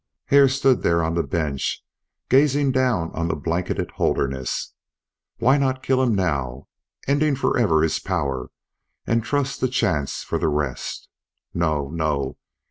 Hare stood there on the bench, gazing down on the blanketed Holderness. Why not kill him now, ending forever his power, and trust to chance for the rest? No, no!